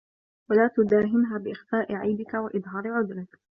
وَلَا تُدَاهِنْهَا بِإِخْفَاءِ عَيْبِك وَإِظْهَارِ عُذْرِك